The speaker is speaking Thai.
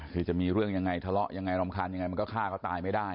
คือจะมีเรื่องยังไงทะเลาะยังไงรำคาญยังไงมันก็ฆ่าเขาตายไม่ได้